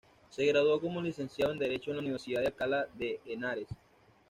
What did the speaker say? Se graduó como licenciado en Derecho en la Universidad de Alcalá de Henares.